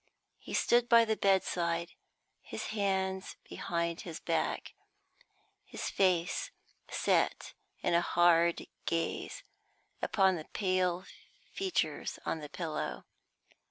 He stood by the bedside, his hands behind his back, his face set in a hard gaze upon the pale features on the pillow.